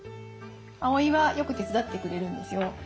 碧はよく手伝ってくれるんですよ。